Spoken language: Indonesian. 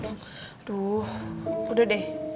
aduh udah deh